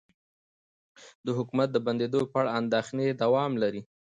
د حکومت د بندیدو په اړه اندیښنې دوام لري